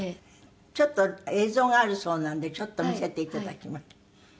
ちょっと映像があるそうなのでちょっと見せていただきます。